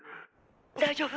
大丈夫？